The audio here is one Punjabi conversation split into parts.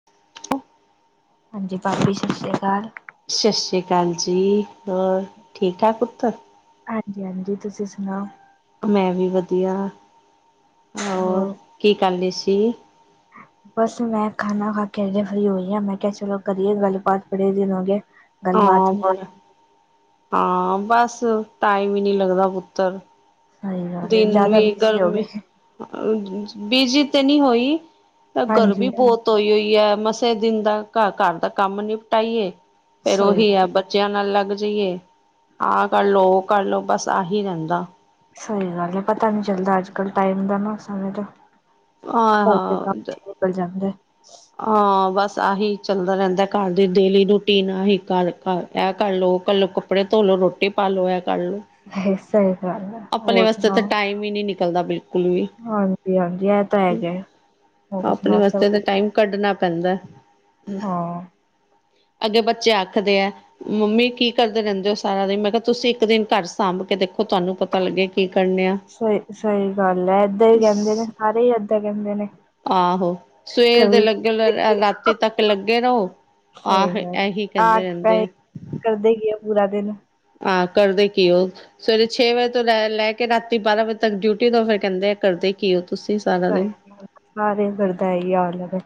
[inaudible] ਹਾਂਜੀ ਭਾਬੀ ਸਸਰਿਆਕਾਲ। ਸਸੀਕਾਲ ਜੀ ਹੋਰ ਠੀਕ-ਠਾਕ ਪੁੱਤਰ ਹਾਂਜੀ-ਹਾਂਜੀ ਤੁਸੀਂ ਸੁਣਾਓ? ਮੈਂ ਵੀ ਵਧੀਆ ਹੋਰ ਕੀ ਕਰ ਰੇ ਸੀ। ਬਸ ਮੈਂ ਖਾਨਾ ਖਾ ਕੇ ਹਜੇ ਫ੍ਰੀ ਹੋਈ ਆਂ। ਮੈਂ ਕਿਹਾ ਚਲੋ ਕਰੀਏ ਗੱਲੇ ਬਾਤ ਬੜੇ ਦਿਨ ਹੋ ਗੇ ਹਾਂ ਬੜਾ, ਹਾਂ ਬਸ ਟਾਈਮ ਹੀ ਨਹੀਂ ਲੱਗਦਾ ਪੁੱਤਰ ਸਹੀ ਗੱਲ ਹੈ ਦਿਨ ਜ਼ਿਆਦਾ ਵੀ ਬਿਜ਼ੀ ਹੋ ਗਰਮੀ ਗਏ। ਬੀਜੀ ਤੇ ਨੀ ਹੋਈ ਤਾਂ ਗਰਮੀ ਹਾਂਜੀ ਬਹੁਤ ਹੋਈ ਹੋਈ ਐ। ਮਸਾ ਈ ਦਿਨ ਦਾ ਘ ਘਰ ਦਾ ਕੰਮ ਨਿਪਟਾਈਏ ਫੇਰ ਸਹੀ ਉਹੀ ਆ ਬੱਚਿਆਂ ਨਾਲ ਲੱਗ ਜਾਈਏ, ਆਹ ਕਰ ਲੋ, ਉਹ ਕਰ ਲੋ, ਬਸ ਆਹੀ ਰਹਿੰਦਾ। ਸਈ ਗੱਲ ਏ ਪਤਾ ਨੀ ਚੱਲਦਾ ਅੱਜ ਕੱਲ ਟਾਈਮ ਦਾ ਨਾ ਸਮੇਂ ਦਾ ਹਾਂ ਘਰ ਦੇ ਕੰਮ ਹਾਂ ਚ ਨਿਕਲ ਜਾਂਦੈ। ਹਾਂ ਬਸ ਆਹੀ ਚੱਲਦਾ ਰਹਿੰਦੈ, ਘਰ ਦੀ ਡੇਲੀ ਰੂਟੀਨ ਆਹੀ ਘਰ-ਘਰ ਐ ਕਰ ਲੋ, ਉਹ ਕਰ ਲੋ, ਕੱਪੜੇ ਧੋ ਲੋ, ਰੋਟੀ ਪਾ ਲੋ, ਐ ਕਰ ਲੋ। ਸਈ ਗੱਲ ਐ ਆਪਣੇ ਹੋਰ ਵਾਸਤੇ ਤਾਂ ਸੁਣਾਓ? ਟਾਈਮ ਨੀ ਨਿਕਲਦਾ ਬਿਲਕੁਲ ਵੀ, ਹਾਂਜੀ ਹਾਂਜੀ ਇਹ ਤਾਂ ਹੈਗਾ ਹੋਰ ਆਪਣੇ ਸੁਣਾਓ ਸਭ ਵਾਸਤੇ ਤਾਂ ਵਧੀਆ। ਟਾਈਮ ਕੱਢਣਾ ਪੈਂਦੈ। ਹਾਂ ਅੱਗੇ ਬੱਚੇ ਆਖਦੇ ਐ ਮੰਮੀ ਕੀ ਕਰਦੇ ਰਹਿੰਦੇ ਓ ਸਾਰਾ ਦਿਨ, ਮੈਂ ਕਿਹਾ ਤੁਸੀਂ ਇੱਕ ਦਿਨ ਘਰ ਸਾਂਭ ਕੇ ਦੇਖੋ, ਤੁਹਾਨੂੰ ਪਤਾ ਲੱਗੇ ਕੀ ਕਰਨੇ ਆਂ। ਸਈ-ਸਈ ਗੱਲ ਐ, ਏਦਾਂ ਹੀ ਕਹਿੰਦੇ ਨੇ, ਸਾਰੇ ਹੀ ਏਦਾਂ ਕਹਿੰਦੇ ਨੇ। ਆਹੋ ਸਵੇਰ ਦੇ ਲੱਗੇ ਰਾਤੀ ਤੱਕ ਲੱਗੇ ਰਹੋ। ਸਈ ਆਹ ਇਹੀ ਗੱਲ ਕਹਿੰਦੇ ਰਹਿੰਦੇ ਆ। [unintelligible] ਕਰਦੇ ਕੀ ਓ ਪੂਰਾ ਦਿਨ ਆ ਕਰਦੇ ਕੀ ਓ? ਸਵੇਰੇ ਛੇ ਵਜੇ ਤੋਂ ਲੈ-ਲੈ ਕੇ ਰਾਤੀ ਬਾਰਾਂ ਵਜੇ ਤੱਕ ਡਿਊਟੀ ਦੋ ਫੇਰ ਕਹਿੰਦੇ ਕਰਦੇ ਕੀ ਓ ਤੁਸੀਂ ਸਾ ਸਾਰੇ ਘਰ ਦਾ ਇਹੀ ਹਾਲ ਐਗਾ।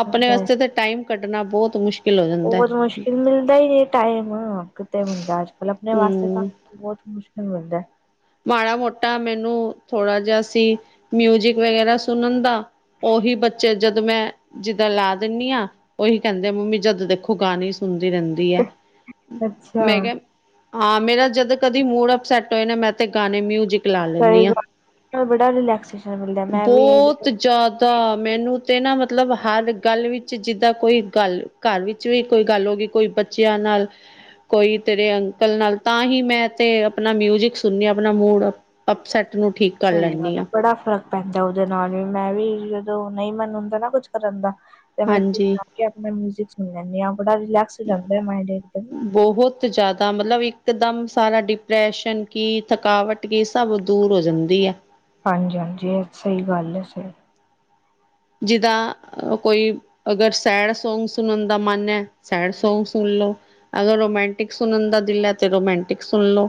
ਆਪਣੇ ਵਾਸਤੇ ਤਾਂ ਟਾਈਮ ਕੱਢਣਾ ਬਹੁਤ ਮੁਸ਼ਕਿਲ ਹੋ ਜਾਂਦਾ ਬਹੁਤ ਮੁਸ਼ਕਿਲ ਮਿਲਦਾ ਈ ਨੀ ਟਾਈਮ ਕਿਤੇ ਮਿਲਦਾ ਅੱਜ ਕੱਲ ਆਪਣੇ ਵਾਸਤੇ ਤਾਂ ਹੂੰ ਬਹੁਤ ਮੁਸ਼ਕਿਲ ਮਿਲਦੈ। ਮਾੜਾ ਮੋਟਾ ਮੈਨੂੰ ਥੋੜਾ ਜਿਹਾ ਸੀ ਮਿਊਜਿਕ ਵਗੈਰਾ ਸੁਣਨ ਦਾ ਉਹੀ ਬੱਚੇ ਜਦੋਂ ਮੈਂ ਜਿੱਦਾਂ ਲਾ ਦਿੰਨੀ ਆ। ਉਹੀ ਕਹਿੰਦੇ ਮੰਮੀ ਜਦ ਦੇਖੋ ਗਾਣੇ ਸੁਣਦੀ ਰਹਿੰਦੀ [unintelligible] ਮੈਂ ਕਿਹਾ ਹਾਂ ਮੇਰਾ ਜਦੋਂ ਕਦੀ ਮੂਡ ਅਪਸੈਟ ਹੋਏ ਨਾ, ਮੈਂ ਤੇ ਗਾਣੇ ਮਿਊਜਿਕ ਲਾ ਸਈ ਲੈਂਦੀ ਹਾਂ ਗੱਲ ਬੜਾ ਰਿਲੈਕਸ ਜਿਹਾ ਮਿਲਦੈ ਮੈਂ ਵੀ ਬਹੁਤ ਜ਼ਿਆਦਾ। ਮੈਨੂੰ ਤੇ ਨਾ ਮਤਲਬ ਹਰ ਗੱਲ ਵਿੱਚ ਜਿੱਦਾਂ ਕੋਈ ਗੱਲ ਘਰ ਵਿੱਚ ਵੀ ਕੋਈ ਗੱਲ ਹੋ ਗਈ। ਕੋਈ ਬੱਚਿਆਂ ਨਾਲ ਕੋਈ ਤੇਰੇ ਅੰਕਲ ਨਾਲ ਤਾਂ ਹੀ ਮੈਂ ਤੇ ਆਪਣਾ ਮਿਊਜਿਕ ਸੁਣਨੀ ਆਪਣਾ ਮੂਡ ਅਪਸੈੱਟ ਨੂੰ ਠੀਕ ਕਰ ਸਹੀ ਲੈਂਦੀ ਗੱਲ ਹੈ ਹਾਂ ਬੜਾ ਫਰਕ ਪੈਂਦਾ ਉਹਦੇ ਨਾਲ ਵੀ। ਮੈਂ ਵੀ ਜਦੋਂ ਨਹੀਂ ਮਨ ਹੁੰਦਾ ਨਾ ਕੁੱਝ ਕਰਨ ਦਾ [unintelligible] ਹਾਂਜੀ ਮਿਊਜ਼ਿਕ ਸੁਣ ਲੈਂਦੇ ਆ ਬੜਾ ਰਿਲੈਕਸ ਹੀ ਜਾਂਦਾ ਮਾਇੰਡ ਇਹਦੇ ਨਾਲ ਬਹੁਤ ਜ਼ਿਆਦਾ। ਮਤਲਬ ਇੱਕਦਮ ਸਾਰਾ ਡਿਪਰੈਸ਼ਨ ਕੀ ਥਕਾਵਟ ਕੀ ਸਭ ਦੂਰ ਹੋ ਜਾਂਦੀ ਏ। ਹਾਂਜੀ -ਹਾਂਜੀ। ਇਹ ਸਹੀ ਗੱਲ ਹੈ ਸਹੀ। ਜਿਦ੍ਹਾ - ਅ - ਕੋਈ ਅਗਰ ਸੈਡ ਸਾਂਗ ਸੁਣਨ ਦਾ ਮਨ ਹੈ। ਸੈਡ ਸਾਂਗ ਸੁਣ ਲਓ ਅਗਰ ਰੋਮਾਂਟਿਕ ਸੁਣਨ ਦਾ ਦਿਲ ਹੈ। ਤੇ ਰੋਮਾਂਟਿਕ ਸੁਣ ਲੋ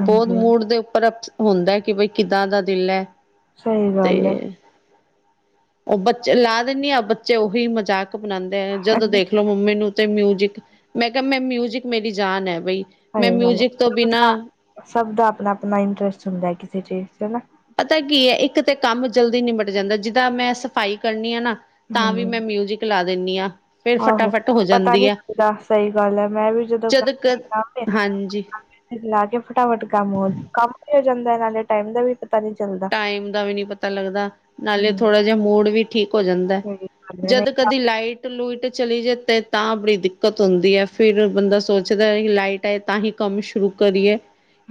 ਬਹੁਤ ਮੂਡ ਦੇ ਉੱਪਰ ਹੁੰਦਾ ਕਿ ਬਈ ਕਿੱਦਾਂ ਦਾ ਦਿਲ ਹੈ ਸਹੀ ਗੱਲ ਹੈ। ਤੇ ਉਹ ਬੱਚੇ ਲਾ ਦਿੰਦੀ ਆ। ਬੱਚੇ ਉਹੀ ਮਜ਼ਾਕ ਬਣਾਉਂਦੇ ਐ। ਜਦੋਂ ਦੇਖਲੋ ਮੰਮੀ ਨੂੰ ਤੇ ਮਿਊਜਿਕ ਮੈਂ ਕਿਹਾ। ਮੈਂ ਮਿਊਜਿਕ ਮੇਰੀ ਜਾਨ ਹੈ ਬਈ। ਮੈਂ ਸਹੀ ਗੱਲ ਹੈ। ਮਿਊਜਿਕ ਤੋਂ ਸਭ ਬਿਨਾਂ ਦਾ ਸਭ ਦਾ ਆਪਣਾ -ਆਪਣਾ ਇੰਟਰਸਟ ਹੁੰਦਾ ਕਿਸੇ ਚੀਜ਼ ਚ ਹਨਾ ਪਤਾ ਕੀ ਏ। ਇੱਕ ਤਾਂ ਕੰਮ ਜਲਦੀ ਨਿਬਟ ਜਾਂਦਾ। ਜਿੱਦਾਂ ਮੈਂ ਸਫ਼ਾਈ ਕਰਨੀ ਆ ਨਾ ਤਾਂ ਵੀ ਹਾਂਜੀ ਮੈਂ ਮਿਊਜਿਕ ਲਾ ਦਿੰਦੀ ਹਾਂ ਫਿਰ ਆਹੋ। ਫਟਾਫਟ ਹੋ ਪਤਾ ਜਾਂਦੀ ਨੀ। ਆ ਕਿੱਦਾਂ ਸਹੀ ਗੱਲ ਮੈਂ ਵੀ [unintelligible] ਜਦ ਕ ਫ ਹਾਂਜੀ -ਲਾ ਕੇ ਫਟਾਫਟ ਕੰਮ ਹੋ ਕੰਮ ਵੀ ਹੋ ਜਾਂਦਾ। ਨਾਲੇ ਟਾਈਮ ਦਾ ਵੀ ਪਤਾਂ ਨੀ ਚਲਦਾ ਟਾਈਮ ਦਾ ਵੀ ਨਹੀਂ ਪਤਾ ਲੱਗਦਾ। ਨਾਲੇ ਹਮ ਥੋੜ੍ਹਾ ਜਿਹਾ ਮੂਡ ਵੀ ਠੀਕ ਹੋ ਜਾਂਦਾ ਸਹੀ ਗੱਲ ਹੈ ਜਦ ਨਹੀਂ ਕਦੀ ਲਾਈਟ ਟ ਲੁਇਟ ਚਲੀ ਜਾ ਤੇ ਤਾਂ ਬੜੀ ਦਿੱਕਤ ਹੁੰਦੀ ਹੈ। ਫਿਰ ਬੰਦਾ ਸੋਚਦਾ ਲਾਈਟ ਆਏ। ਤਾਂ ਹੀ ਕੰਮ ਸ਼ੁਰੂ ਕਰੀਏ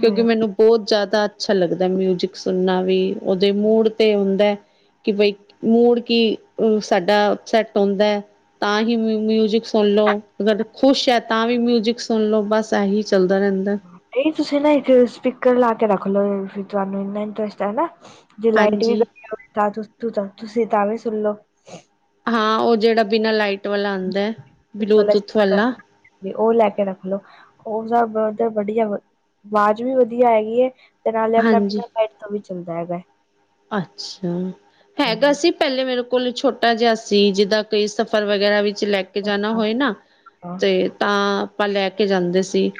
ਕਿਉਂਕਿ ਮੈਨੂੰ ਬਹੁਤ ਜ਼ਿਆਦਾ ਅੱਛਾ ਲੱਗਦਾ ਮਿਊਜਿਕ ਸੁਣਨਾ ਵੀ ਉਹਦੇ ਮੂਡ ਤੇ ਹੁੰਦਾ। ਕਿ ਬਈ ਮੂਡ ਕੀ ਓਹ ਸਾਡਾ ਸੈਟ ਹੁੰਦਾ ਹੈ ਤਾਂ ਹੀ ਮਿਊਜਿਕ ਸੁਣ ਲਓ। ਅਗਰ ਖੁਸ਼ ਹੈ ਤਾਂ ਵੀ ਮਿਊਜਿਕ ਸੁਣ ਲਓ। ਬਸ ਇਹੀ ਚੱਲਦਾ ਰਹਿੰਦਾ ਇਹੀ ਤੁਸੀਂ ਨਾ ਇੱਕ ਸਪੀਕਰ ਲਾ ਕੇ ਰੱਖ ਲਓ। ਫੇਰ ਤੁਹਾਨੂੰ ਇੰਨਾ ਇੰਟਰਸਟ ਹੈ ਨਾ ਜੇ ਲਾਈਟ ਵੀ ਹਾਂਜੀ ਗਈ ਹੋਵੇ ਤਾਂ -ਤਾਂ ਤੁਸੀਂ ਤਾਂ ਵੀ ਸੁਣ ਲੋ ਹਾਂ। ਉਹ ਜਿਹੜਾ ਬਿਨਾਂ ਲਾਈਟ ਵਾਲਾ ਆਉਂਦਾ ਬਲੂਟੂਥ ਵਾਲਾ ਵੀ ਉਹ ਲੈ ਕੇ ਰੱਖਲੋ। ਉਹ ਸਭ ਧਰ ਵਧੀਆ ਆਵਾਜ਼ ਵੀ ਵਧੀਆ ਹੈਗੀ ਤੇ ਨਾਲੇ ਆਪਣਾ ਹਾਂਜੀ ਬਿਨਾਂ ਲਾਈਟ ਤੋਂ ਵੀ ਚੱਲਦਾ ਹੈਗਾ ਅੱਛਾ। ਹੈਗਾ ਸੀ ਪਹਿਲੇ ਮੇਰੇ ਕੋਲ ਛੋਟਾ ਜਿਹਾ ਸੀ। ਜਿੱਦਾਂ ਕੀ ਸਫ਼ਰ ਵਗੈਰਾ ਵਿੱਚ ਲੈ ਕੇ ਕੇ ਜਾਣਾ ਹੋਏ ਨਾ। ਤੇ ਤਾਂ ਆਪਾਂ ਲੈ ਕੇ ਜਾਂਦੇ ਸੀ।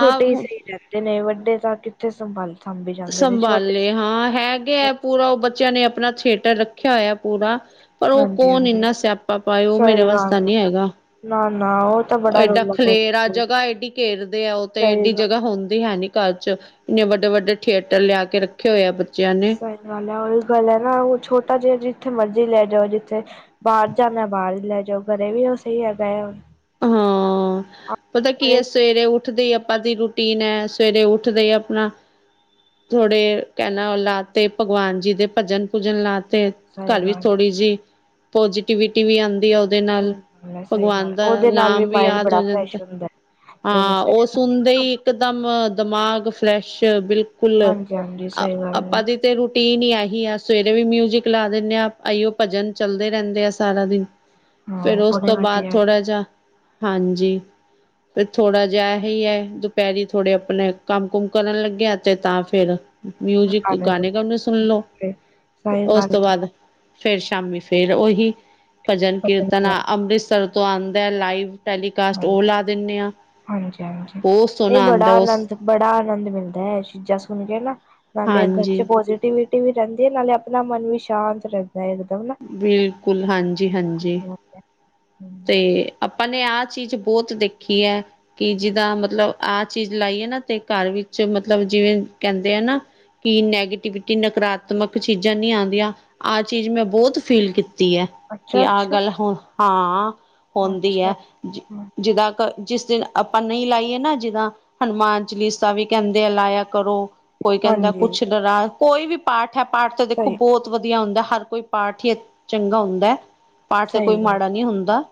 ਆਹੁ ਤੇ ਨਹੀਂ ਵੱਡੇ ਤਾਂ ਕਿੱਥੇ ਸੰਭਾਲ ਸਾਂਭੀ ਜਾਂਦੇ ਨੇ ਛੋਟੇ ਸੰਭਾਲੇ। ਹਾਂ ਹੈਗੇ ਹੈ। ਪੂਰਾ ਉਹ ਬੱਚਿਆਂ ਨੇ ਆਪਣਾ ਥੀਏਟਰ ਰੱਖਿਆ ਹੋਇਆ ਪੂਰਾ ਪਰ ਉਹ ਹਾਂਜੀ ਕੌਣ ਹਾਂਜੀ ਇੰਨਾ ਸਿਆਪਾ ਪਾਏ। ਉਹ ਸਹੀ ਮੇਰੇ ਵਸ ਦਾ ਗੱਲ ਹੈ, ਨਹੀ ਹੈਗਾ ਨਾ- ਨਾ ਉਹ ਤਾਂ ਉਹ ਬੜਾ ਏਡਾ ਰੌਲਾ ਖਲੇਰਾ। ਪਾਉਂਦੇ ਜਗ੍ਹਾ ਏਡੀ ਘੇਰਦੇ ਆ। ਉਹ ਤੇ ਸਹੀ ਏਡੀ ਗੱਲ ਜਗ੍ਹਾ ਹੁੰਦੀ ਹੈ ਨੀ ਘਰ ਚ। ਇੰਨੇ ਵੱਡੇ -ਵੱਡੇ ਥੀਏਟਰ ਲਿਆ ਕੇ ਰੱਖੇ ਹੋਏ ਆ। ਬੱਚਿਆਂ ਨੇ ਸਹੀ ਗੱਲ ਐ ਔਈ ਗੱਲ ਐ ਨਾ ਉਹ ਛੋਟਾ ਜਿਹਾ ਜਿੱਥੇ ਮਰਜ਼ ਲੈ ਜਾਓ ਜਿੱਥੇ ਬਾਰ ਜਾਣਾ ਬਾਰ ਈ ਲੈ ਜਾਓ ਘਰੇ ਵੀ ਉਹ ਸਹੀ ਹੈਗਾ ਹਾਂ, ਪਤਾ ਕੀ ਐ ਸਵੇਰੇ ਉੱਠਦੇ ਈ ਆਪਾਂ ਦੀ ਰੂਟੀਨ ਐ ਸਵੇਰੇ ਉੱਠਦੇ ਈ ਆਪਣਾ ਥੋੜੇ [unintelligible] ਉਹ ਲਾ ਤੇ ਭਗਵਾਨ ਜੀ ਦੇ ਭਜਨ-ਭੂਜਨ ਲਾ ਤੇ। ਸਹੀ ਘਰ ਵਿੱਚ ਗੱਲ ਹੈ। ਥੋੜ੍ਹੀ ਜੀ, ਪੋਜ਼ਟੀਿਵਿਟੀ ਵੀ ਆਦੀ ਆ ਉਹਦੇ ਨਾਲ ਸਹੀ ਗੱਲ ਹੈ ਸਹੀ ਗੱਲ ਭਗਵਾਨ ਹੈ। ਦਾ ਉਹਦੇ ਨਾਲ ਵੀ ਨਾਮ ਮਾਇੰਡ ਯਾਦ ਬੜਾ ਹੋ ਜਾਂਦਾ ਫਰੈਸ਼ ਹੁੰਦਾ। ਹੈ। ਸਵੇਰੇ ਹਾਂ ਸਵੇਰੇ ਉਹ ਸੁਣਦੇ ਈ ਇੱਕਦਮ ਦਿਮਾਗ ਫਰੈਸ਼ ਬਿਲਕੁਲ ਕੁੱਲ, ਹਾਂਜੀ ਹਾਂਜੀ ਸਹੀ ਗੱਲ ਆਪਾ ਹੈ ਤੇ ਤੇ ਰੂਟੀਨ ਈ ਆਹੀ ਆ ਸਵੇਰੇ ਵੀ ਮਿਊਜਿਕ ਲਾ ਦਿੰਨੇ ਆ ਆਈਓ ਭਜਨ ਚੱਲਦੇ ਰਹਿੰਦੇ ਆ ਸਾਰਾ ਦਿਨ। ਫੇਰ ਹਾਂ ਉਸ ਬੜੇ ਤੋਂ ਬਾਅਦ ਵਧੀਆ ਹੈਗੇ। ਥੋੜਾ ਜਿਹਾ, ਹਾਂਜੀ। ਤੇ ਥੋੜ੍ਹਾ ਜਿਹਾ ਏਹੀ ਐ ਦੁਪਹਿਰੀ ਥੋੜੇ ਆਪਣੇ ਕੰਮ-ਕੁਮ ਕਰਨ ਲੱਗਿਆ ਤੇ ਤਾਂ ਫੇਰ ਮਿਊਜਿਕ ਗਾਣੇ ਗੁਣੇ ਸੁਣ ਲਓ, ਸਹੀ ਉਸ ਗੱਲ ਤੋਂ ਹੈ। ਬਾਅਦ ਫਿਰ ਸਾ਼ਮੀ ਫਿਰ ਉਹੀ, ਭਜਨ ਕੀਰਤਨ ਅੰਮ੍ਰਿਤਸਰ ਤੋਂ ਆਦਾ ਲਾਈਵ ਟੈਲੀਕਾਸਟ ਓਲਾ ਹਾਂਜੀ-ਹਾਂਜੀ, ਇਹ ਸੋਹਣਾ ਬੜਾ ਆਉਂਦਾ ਉਸ ਆਨੰਦ ਬੜਾ ਆਨੰਦ ਮਿਲਦਾ ਐ ਚੀਜ਼ਾਂ ਸੁਣ ਕੇ ਨਾ ਨਾਲੇ ਘਰ ਚ ਹਾਂਜੀ ਪੋਜ਼ਟਿਵੀ ਵੀ ਰਹਿੰਦੀ ਐ ਨਾਲੇ ਆਪਣਾ ਮਨ ਵੀ ਸ਼ਾਂਤ ਰਹਿੰਦਾ। [inaudible] ਬਿਲਕੁਲ ਹਾਂਜੀ-ਹਾਂਜੀ, ਤੇ ਆਪਾਂ ਨੇ ਆਹ ਚੀਜ਼ ਬੋਤ ਦੇਖੀ ਐ। ਕਿ ਜਿੱਦਾਂ ਮਤਲਬ ਆਹ ਚੀਜ਼ ਲਾਈਏ ਨਾ ਤੇ ਘਰ ਵਿੱਚ ਮਤਲਬ ਜਿਵੇਂ ਕਹਿੰਦੇ ਆ ਨਾ ਕੀ ਨੈਗੇਟਿਵਿਟੀ ਨਕਾਰਾਤਮਕ ਚੀਜ਼ਾਂ ਨੀ ਆਂਦੀਆਂ। ਆਹ ਚੀਜ਼ ਮੈਂ ਬੋਤ ਫੀਲ ਕੀਤੀ ਐ। ਅੱਛਾ ਕਿ ਆਹ ਅੱਛਾ ਗੱਲ ਹਾਂ, ਹੁੰਦੀ ਐ ਅੱਛਾ ਜਿੱਦਾਂ ਕ ਜਿਸ ਦਿਨ ਆਪਾਂ ਨਈ ਲਾਈਏ ਨਾ ਜੀਦਾ। ਹਨੂੰਮਾਨ ਚਲੀਸਾ ਵੀ ਕਹਿੰਦੇ ਆ ਲਾਇਆ ਕਰੋ। ਕੋਈ ਕਹਿੰਦਾ ਹਾਂਜੀ ਕੁੱਛ ਡਰਾ ਕੋਈ ਵੀ ਪਾਠ ਐ ਪਾਠ ਤਾਂ ਦੇਖੋ ਸਹੀ ਬੋਤ ਵਧੀਆ ਹੁੰਦਾ ਹਰ ਕੋਈ ਪਾਠ ਈ, ਚੰਗਾ ਹੁੰਦਾ ਪਾਠ ਤੇ ਕੋਈ ਸਹੀ ਗੱਲ ਮਾੜਾ ਨੀ ਹੁੰਦਾ।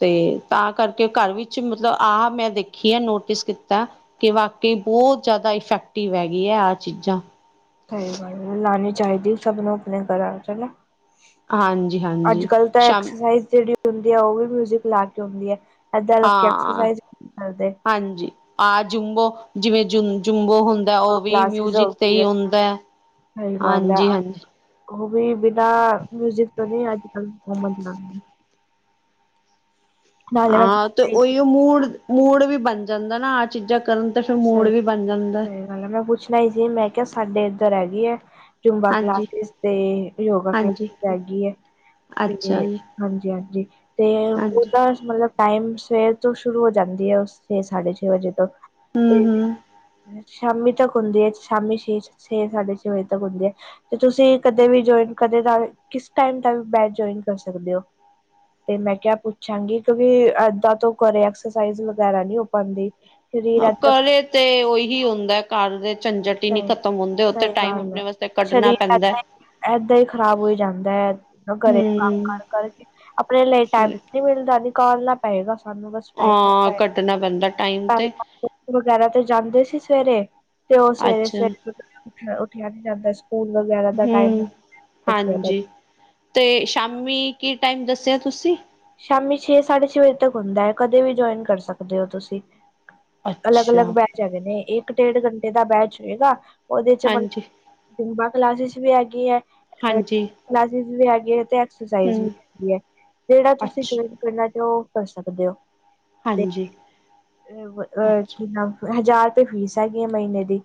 ਤੇ ਤਾਂ ਕਰਕੇ ਘਰ ਵਿੱਚ ਮਤਲਬ ਆਹ ਮੈਂ ਦੇਖਿਆ ਨੋਟਿਸ ਕੀਤਾ। ਕਿ ਵਾਕਈ ਬਹੁਤ ਜ਼ਿਆਦਾ ਇਫੈਕਟਿਵ ਹੈਗੀਆ ਆਹ ਚੀਜ਼ਾਂ। ਹੋਰ ਲਾਣੀ ਚਾਹੀਦੀ ਸਭ ਨੂੰ ਆਪਣੇ ਘਰਾਂ ਹਨਾ। ਹਾਂਜੀ ਅੱਜ ਹਾਂਜੀ ਕਲ ਤਾਂ ਸ਼ਾਮ ਐਕਸਰਸਾਈਜ਼ ਜਿਹੜੀ ਹੁੰਦੀ ਆ ਉਹ ਵੀ ਮਿਊਜਿਕ ਲਾ ਕੇ ਹੁੰਦੀ ਐ। ਏਦਾਂ ਲੋਕੀ ਐਕਸਰਸਾਈਜ਼ ਕਰਦੇ ਆ। ਹਾਂਜੀ, ਆ ਜੁੰਬੋ ਜਿਵੇਂ ਜੂ ਜੁੰਬੋ ਹੁੰਦਾ ਉਹ ਵੀ ਕਲਾਸਿਸ ਹੋ ਮਿਊਜਿਕ ਤੇ ਗਈ ਈ ਸਹੀ ਹੁੰਦਾ, ਗੱਲ ਹੈ ਹਾਂਜੀ-ਹਾਂਜੀ। ਉਹ ਵੀ ਬਿਨਾਂ ਮਿਊਜਿਕ ਤੋਂ ਨੀ ਅੱਜ-ਕੱਲ ਬਣਨਾ। ਨਾਲੇ ਮੈਂ ਹਾਂ ਤੇ ਸਹੀ ਉਹੀਓ ਮੂਡ-ਮੂਡ ਵੀ ਬਣ ਜਾਂਦਾ ਨਾ ਚੀਜ਼ਾਂ ਕਰਨ ਤੇ ਫਿਰ ਮੂਡ ਵੀ ਬਣ ਜਾਂਦਾ। ਹਾਲੇ ਮੈਂ ਪੁੱਛਣਾ ਈ ਸੀ ਮੈਂ ਕਿਹਾ ਸਾਡੇ ਇੱਧਰ ਹੈਗੀ ਐ? ਚੁੰਬਾ ਹਾਂਜੀ ਕਲਾਸਿਸ ਤੇ ਯੋਗਾ ਹਾਂਜੀ ਕਲਾਸਿਸ ਹੈਗੀ ਐ। ਤੇ ਅੱਛਾ ਜੀ ਹਾਂਜੀ-ਹਾਂਜੀ ਤੇ ਉਹ ਹਾਂਜੀ ਤਾਂ ਮਤਲਬ ਟਾਈਮ ਸਵੇਰ ਤੋਂ ਸ਼ੁਰੂ ਹੋ ਜਾਂਦੀ ਐ ਸਵੇਰੇ ਸਾਢੇ ਛੇ ਵਜੇ ਤੱਕ। ਹੂੰ-ਹੂੰ, ਸ਼ਾਮੀ ਤੱਕ ਹੁੰਦੀ ਐ, ਸ਼ਾਮੀ ਛੇ, ਛੇ ਸਾਢੇ ਛੇ ਵਜੇ ਤੱਕ ਹੁੰਦੀ ਐ। ਤੁਸੀ ਕਦੇ ਵੀ ਜੋਇਨ ਕਦੇ ਕਰ ਕਿਸ ਟਾਈਮ ਤੱਕ ਬਾਅਦ ਜੁਆਇਨ ਕਰ ਸਕਦੇ ਓ। ਤੇ ਮੈਂ ਕਿਆ ਪੁੱਛਾਂਗੀ, ਕਿਉਕਿ ਏਦਾਂ ਤੋਂ ਘਰੇ ਐਕਸਰਸਾਇਜ਼ ਵਗੈਰਾ ਨੀਂ ਹੋ ਪਾਂਦੀ। ਘਰੇ ਤੇ ਓਹੀ ਹੁੰਦਾ ਘਰ ਦੇ ਝੰਜਟ ਹੀ ਨਹੀਂ ਸਈ, ਖ਼ਤਮ ਹੁੰਦੇ ਉਥੇ ਸਈ ਟਾਈਮ ਗੱਲ ਐ, ਆਪਣੇ ਵਾਸਤੇ ਕੱਢਣਾ ਸਰੀਰ ਪੈਂਦਾ ਏਦਾਂ ਈ, ਏਦਾਂ ਈ ਖ਼ਰਾਬ ਹੋਈ ਜਾਂਦਾ ਐ। ਘਰੇ ਕੰਮ ਹੂੰ ਕਾਰ ਕਰਕੇ, ਆਪਣੇ ਲਈ ਟਾਈਮ ਨੀਂ ਮਿਲਦਾ, ਨੀਕਾਲਨਾਂ ਪਏਗਾ ਸਾਨੂੰ ਹਾਂ ਕੱਢਣਾ ਪੈਂਦਾ ਟਾਈਮ ਤੇ [unintelligible] [unintelligible] ਜਾਂਦੇ ਸੀ ਸਵੇਰੇ ਤੇ ਓ ਅੱਛਾ ਸਵੇਰੇ-ਸਵੇਰੇ ਉਠਿਆ, ਉੱਠਿਆ ਨੀਂ ਜਾਂਦਾ ਸੀ। ਸਕੂਲ ਵਗੈਰਾ ਦਾ ਟਾਈਮ ਹੂੰ ਬੱਚਿਆਂ ਦਾ। ਹਾਂਜੀ ਤੇ ਸ਼ਾਮੀ ਕੀ ਟਾਈਮ ਦੱਸਿਆ ਤੁਸੀਂ ਸ਼ਾਮੀ ਛੇ, ਸਾਢੇ ਛੇ ਵਜੇ ਤੱਕ ਹੁੰਦਾ ਐ। ਕਦੇ ਵੀ ਜੁਆਇਨ ਕਰ ਸਕਦੇ ਓ ਤੁਸੀਂ। ਅਲੱਗ-ਅਲੱਗ ਅੱਛਾ ਬੈਚ ਹੈਗੇ ਨੇਂ, ਇੱਕ ਡੇਢ ਘੰਟੇ ਦਾ ਬੈਚ ਹੋਏਗਾ ਓਦੇ ਚ ਮਤਲ ਹਾਂਜੀ ਯੋਗਾ ਕਲਾਸਿਸ ਵੀ ਹੈਗੀ ਐ। ਹਾਂਜੀ। ਕਲਾਸਿਸ ਵੀ ਹੈਗੀ ਐ ਤੇ ਐਕਸਰਸਾਈਜ਼ ਵੀ ਹੂੰ ਹੈਗੀ ਐ। ਜੇੜਾ ਤੁਸੀਂ ਅੱਛਾ ਗੇਮ ਖੇਡਣਾ ਚਾਓ, ਕਰ ਸਕਦੇ ਓ। ਤੇ ਹਾਂਜੀ ਅਹ ਅੱਛਾ ਕੀ ਨਾਮ ਹਜ਼ਾਰ ਰੁਪਏ ਫੀਸ ਹੈਗੀ ਏ ਮਹੀਨੇ ਦੀ।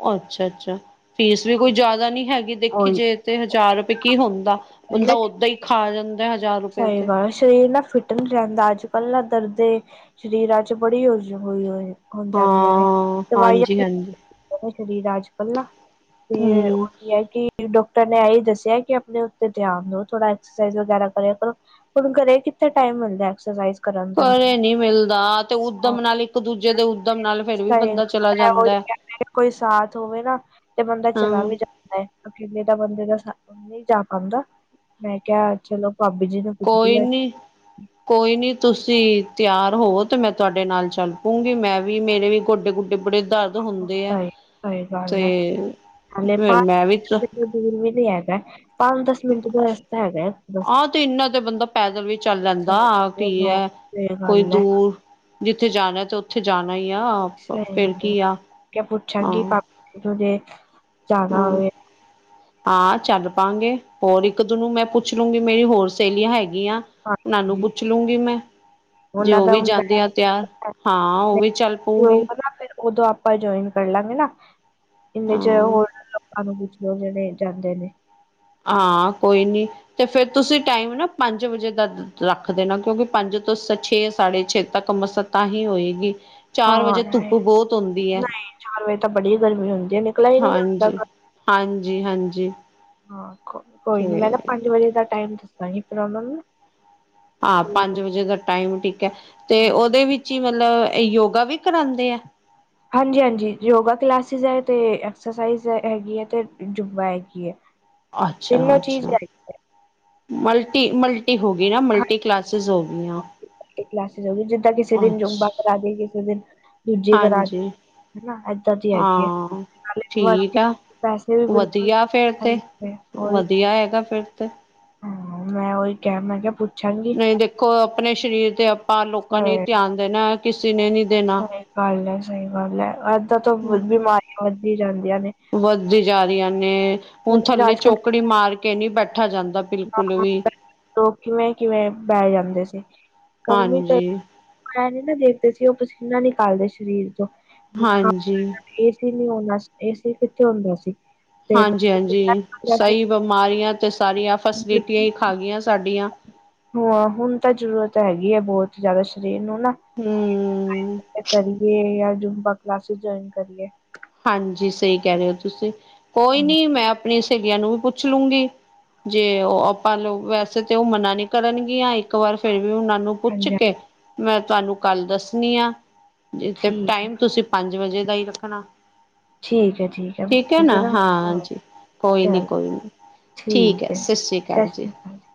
ਓ ਅੱਛਾ, ਅੱਛਾ। ਫੀਸ ਵੀ ਕੋਈ ਜ਼ਿਆਦਾ ਨਈਂ ਹੈਗੀ। ਦੇਖੀ ਉਹੀ ਜੇ ਤੇ ਹਜ਼ਾਰ ਰੁਪਏ ਕੀ ਹੁੰਦਾ, ਬੰਦਾ ਓਦਾਂ ਈ ਖਾ ਜਾਂਦਾ। ਹਜ਼ਾਰ ਰੁਪਏ ਸਈ ਤੇ ਗੱਲ ਸਰੀਰ ਨਾਂ ਫਿੱਟ ਨ੍ਹੀਂ ਰੈਂਦਾ, ਅੱਜ-ਕਲ ਨਾਂ ਦਰਦੇ ਸਰੀਰਾਂ ਚ ਬੜੀ [unintelligible] ਹੋਈ। [unintelligible] ਹੋਣ ਜਾਂਦੀਆਂ ਨੇਂ, ਹਾਂ ਹਾਂਜੀ ਦਵਾਈਆਂ ਹਾਂਜੀ ਸਰੀਰ ਅੱਜ-ਕਲ ਨਾਂ ਤੇ ਹਮ ਓਹੀ ਏ ਕੀ ਡਾਕਟਰ ਨੇ ਏਹੀ ਦੱਸਿਆ ਕਿ ਆਪਣੇ ਉੱਤੇ ਧਿਆਨ ਦੋ ਥੋੜਾ, ਐਕਸਰਸਾਈਜ਼ ਵਗੈਰਾ ਕਰਿਆ ਕਰੋ, ਹੁਣ ਘਰੇ ਕਿਥੇ ਟਾਈਮ ਮਿਲਦਾ ਐਕਸਰਸਾਈਜ਼ ਕਰਨ ਦਾ ਘਰੇ ਨ੍ਹੀਂ ਮਿਲਦਾ ਤੇ ਹਾਂ, ਉੱਦਮ ਨਾਲ ਇੱਕ ਦੂਜੇ ਦੇ ਉੱਦਮ ਨਾਲ ਫਿਰ ਵੀ ਬੰਦਾ ਚਲਾ ਜਾਂਦਾ ਐ। ਦੇ ਕੋਈ ਸਾਥ ਹੋਵੇ ਨਾਂ ਤੇ ਬੰਦਾ ਚਲਾ ਹਾਂ ਵੀ ਜਾਂ ਅਕੇਲੇ ਦਾ ਬੰਦੇ ਦਾ ਸਾ ਨਈਂ ਜਾ ਪਾਂਦਾ ਮੈਂ ਕਿਆ ਚਲੋ ਭਾਬੀ ਜੀ ਨੂੰ ਪੁੱਛਦੀ ਕੋਈ ਆ ਨੀਂ ਕੋਈ ਨ੍ਹੀਂ ਤੁਸੀਂ ਤਿਆਰ ਹੋਵੋ ਤਾਂ ਮੈਂ ਤੁਆਡੇ ਨਾਲ ਚੱਲ ਪਊਂਂਗੀ ਮੈਂ ਵੀ ਮੇਰੇ ਵੀ ਗੋਡੇ-ਗੁਡੇ ਬੜੇ ਦਰਦ ਹੁੰਦੇ ਐ, ਸਹੀ ਸਹੀ ਗੱਲ ਹੈ ਤੇ, ਹਲੇ ਫਿਰ ਮੈਂ ਵੀ ਪੰਜ ਦੂਰ ਵੀ ਨ੍ਹੀਂ ਹੈਗਾ, ਪੰਜ-ਦਸ ਮਿੰਟ ਦਾ ਰਸਤਾ ਹੈਗਾ। ਬਸ ਆਹ ਤੇ ਏਨਾਂ ਤੇ ਬੰਦਾ ਪੈਦਲ ਵੀ ਚੱਲ ਲੈਂਦਾ ਸਹੀ ਕੀ ਉਹ ਐ ਸਹੀ ਕੋਈ ਗੱਲ ਹੈ ਦੂਰ ਜਿੱਥੇ ਜਾਣਾ, ਤੇ ਓਥੇ ਜਾਣਾ ਈ ਆ। ਸਹੀ ਫੇਰ ਗੱਲ ਏ, ਕੀ ਆ ਕੇ ਪੁੱਛਾਂਗੀ ਭਾਬੀ ਨੂੰ ਜੇ ਜਾਣਾ ਹਂ। [inaudible] ਹਾਂ ਚੱਲ ਪਾਾਂਗੇ। ਹੋਰ ਇੱਕ-ਦੂ ਨੂੰ ਮੈਂ ਪੁੱਛ ਲੂੰਗੀ, ਮੇਰੀ ਹੋਰ ਸਹੇਲੀਆਂ ਹੈਗੀਆਂ। ਓਨਾਂ ਨੂੰ ਹਾਂਜੀ ਪੁੱਛ ਲੂੰਗੀ ਮੈਂ ਜੇ ਉਹਨਾਂ ਓ ਦਾ ਵੀ ਹੁਣ ਜਾਂਦੀਆਂ ਤਿਆਰ। ਬੈਠਾ ਹਾਂ, ਓ ਵੀ ਨਹੀਂ ਚੱਲ ਪਊਗੀ। ਹੋਊਗਾ ਨਾ ਫਿਰ ਉਦੋਂ ਆਪਾਂ ਜੁਆਇਨ ਕਰ ਲਾਂਗੇ ਨਾਂ, ਇੰਨੇ ਚ ਹਾਂ ਹੋਰ ਆਨੂੰ ਪੂਛ ਲੋ ਜੇੜੇ ਜਾਂਦੇ ਨੇਂ। ਹਾਂ, ਕੋਈ ਨੀਂ। ਤੇ ਫਿਰ ਤੁਸੀਂ ਟਾਈਮ ਨਾਂ ਪੰਜ ਵਜੇ ਦਾ ਰੱਖ ਦੇਣਾ ਕਿਉਂਕਿ ਪੰਜ ਤੋਂ ਸ ਛੇ ਸਾਢੇ ਛੇ ਤੱਕ ਮਸਾਂ ਤਾਂ ਹੀ ਹੋਏਗੀ। ਚਾਰ ਹਾਂ ਵਜੇ ਧੁੱਪ ਨਹੀਂ ਬਹੁਤ ਹੁੰਦੀ ਹੈ ਚਾਰ ਵਜੇ ਤਾਂ ਬੜੀ ਗਰਮੀ ਹੁੰਦੀ ਹੈ ਨਿਕਲਿਆ ਹੀ ਨਹੀਂ ਜਾਂਦਾ ਹਾਂਜੀ। ਘਰ। ਹਾਂਜੀ-ਹਾਂਜੀ ਹਾਂ ਕੋਈ ਨੀ ਮੈਂ ਨਾ ਪੰਜ ਵਜੇ ਦਾ ਟਾਈਮ ਦੱਸਾਂਗੀ ਫਿਰ ਉਹਨਾਂ ਨੂੰ ਹਾਂ ਤੇ ਪੰਜ ਵਜੇ ਦਾ ਟਾਈਮ ਠੀਕ ਹੈ ਤੇ ਹਾਂਜੀ ਉਹਦੇ ਵਿੱਚ ਹੀ ਮਤਲਬ ਇਹ ਯੋਗਾ ਵੀ ਕਰਾਉਂਦੇ ਆ। ਹਾਂਜੀ-ਹਾਂਜੀ ਯੋਗਾ ਕਲਾਸਿਸ ਹੈ ਤੇ ਐਕਸਸਾਈਜ਼ ਹੈਗੀ ਹੈ ਤੇ ਜੁਬਾ ਹੈਗੀ ਹੈ। ਤਿੰਨੋ ਚੀਜ਼ ਅੱਛਾ-ਅੱਛਾ ਹੈਗੀ ਹੈ ਮਲਟੀ ਮਲ ਹੋ ਗਈ ਨਾਂ ਮਲਟੀ ਕਲਾਸਿਸ ਹੋ ਗੀਆਂ ਹਾਂਜੀ ਅੱਛ ਰਾਜੇ ਕਿਸੇ ਦਿਨ ਦੂਜੇ ਦਾ ਰਾਜੇ। ਹਾਂ ਠੀਕ ਵਰਕ ਹੈ। ਪੈਸੇ ਵੀ ਬਿਲਕੁਲ ਵਧੀਆ ਫਿਰ ਤੇ ਸਹੀ ਹੈ ਉਹੀ ਵਧੀਆ ਹੈਗਾ ਫਿਰ ਤੇ। ਹਾਂ ਮੈਂ ਉਹੀ ਕਿਹਾ ਮੈਂ ਕਿਹਾ ਪੁੱਛਾਂ ਵੀ ਨਹੀਂ ਦੇਖੋ ਆਪਣੇ ਸਰੀਰ ਤੇ ਆਪਾਂ ਲੋਕਾਂ ਨੇ ਹਾਂ, ਧਿਆਨ ਦੇਣਾ ਕਿਸੇ ਨੇ ਨੀ ਸਹੀ ਗੱਲ ਏ ਸਹੀ ਗੱਲ ਏ ਅੱਧ ਵੱਧਦੀ ਜਾ ਰਹੀਏ ਹੁਣ ਏ ਕਿਉਂਕਿ ਥੱਲੇ ਅੱਜ ਕੱਲ੍ਹ ਚੋਕੜੀ ਮਾਰ ਕੇ ਨਹੀਂ ਬੈਠਾ ਜਾਂਦਾ ਬਿਲਕੁਲ ਵੀ ਲੋਕ ਕਿਵੇਂ ਕਿਵੇਂ ਬਹਿ ਜਾਂਦੇ ਸੀ ਗਰਮੀ ਤੇ ਹਾਂਜੀ ਮੈਂ ਨਹੀਂ ਦੇਖਦਾ ਸੀ ਉਹ ਪਸੀਨਾ ਨਿਕਾਲ ਦੇ ਸਰੀਰ ਤੋਂ ਹਾਂਜੀ ਏ ਕੀਨੇ ਹੁਣ ਦੱਸ ਏਸੀ ਕਿੱਥੇ ਹੁੰਦਾ ਸੀ। ਤੇ ਹਾਂਜੀ ਹਾਂਜੀ ਸਹੀ ਬਿਮਾਰੀਆਂ ਤੇ ਸਾਰੀਆਂ ਫੈਸਿਲਿਟੀਆਂ ਹੀ ਖਾ ਗਈਆਂ ਸਾਡੀਆਂ ਹੂੰ ਹਾਂ ਹੁਣ ਤਾਂ ਜ਼ਰੂਰਤ ਹੈਗੀ ਹੈ ਬਹੁਤ ਜ਼ਿਆਦਾ ਸਰੀਰ ਨੂੰ ਨਾ ਹੂੰ,,, ਕਰੀਏ ਜੁੰਬਾ ਕਲਾਸਿਸ ਜੁਆਇਨ ਕਰੀਏ। ਹਾਂਜੀ ਸਹੀ ਕਹਿ ਰਹੇ ਹੋ ਤੁਸੀਂ ਕੋਈ ਨੀ ਮੈਂ ਆਪਣੀਆਂ ਸਹੇਲੀਆਂ ਨੂੰ ਵੀ ਪੁੱ ਪੁੱਛ ਲੂੰਗੀ ਜੇ ਉਹ ਆਪਾਂ ਲੋ ਵੈਸੇ ਤੇ ਉਹ ਮਨਾ ਨੀ ਕਰਨਗੀਆਂ ਇੱਕ ਵਾਰ ਫ਼ਿਰ ਵੀ ਉਹਨਾਂ ਨੂੰ ਪੁੱਛ ਹਾਂਜੀ ਕੇ ਮੈਂ ਤੁਹਾਨੂੰ ਕੱਲ ਦੱਸਣੀ ਆ। ਜਿੱਥੇ ਠੀਕ ਹੈ ਟਾਈਮ ਤੁਸੀਂ ਪੰਜ ਵਜੇ ਦਾ ਹੀ ਰੱਖਣਾ ਠੀਕ ਹੈ ਠੀਕ ਹੈ ਤੁਸੀਂ ਨਾ ਹਾਂ ਹਾਂਜੀ ਕੋਈ ਨੀ ਚੱਲ ਕੋਈ ਨੀ ਠੀਕ ਹੈ ਸਤਿ ਸ਼੍ਰੀ ਅਕਾਲ ਜੀ